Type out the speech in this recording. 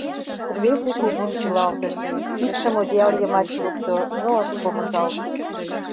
Рвезе кугун шӱлалтыш, кидшым одеял йымач лукто, но ыш помыжалт.